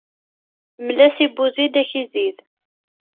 Mel-as i buzid ad ak-izid.